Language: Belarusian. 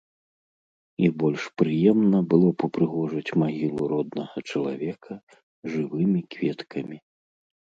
І больш прыемна было б упрыгожыць магілу роднага чалавека жывымі кветкамі.